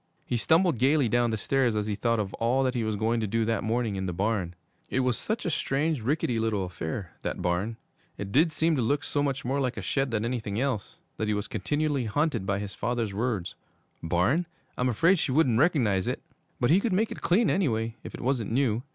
He stumbled gayly down the stairs as he thought of all that he was going to do that morning in the barn. It was such a strange, rickety little affair, that barn; it did seem to look so much more like a shed than anything else, that he was continually haunted by his father's words: 'Barn? I'm afraid she wouldn't recognize it.' But he could make it clean, anyway, if it wasn't new.